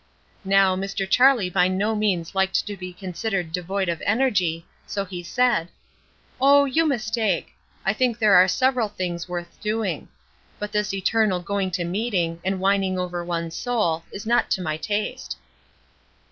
Now, Mr. Charlie by no means liked to be considered devoid of energy, so he said: "Oh, you mistake. I think there are several things worth doing. But this eternal going to meeting, and whining over one's soul, is not to my taste."